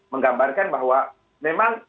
menggambarkan bahwa memang